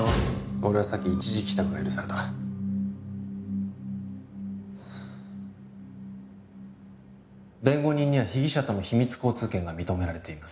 俺はさっき一時帰宅が許された弁護人には被疑者との秘密交通権が認められています